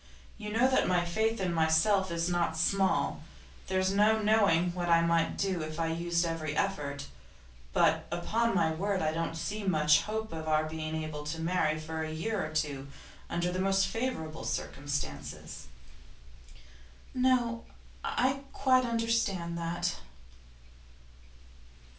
You know that my faith in myself is not small; there's no knowing what I might do if I used every effort. But, upon my word, I don't see much hope of our being able to marry for a year or two under the most favourable circumstances.' 'No; I quite understand that.